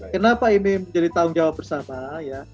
kenapa ini menjadi tanggung jawab bersama ya